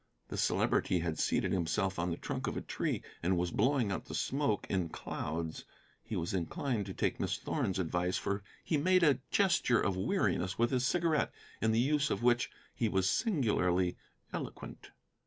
The Celebrity had seated himself on the trunk of a tree, and was blowing out the smoke in clouds. He was inclined to take Miss Thorn's advice, for he made a gesture of weariness with his cigarette, in the use of which he was singularly eloquent.